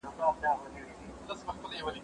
زه مخکي اوبه څښلې وې!.